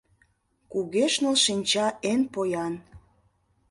Кугешныл шинча эн поян